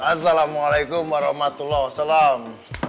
assalamualaikum warahmatullah salam